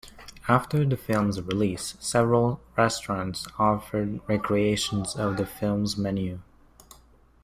After the film's release, several restaurants offered recreations of the film's menu.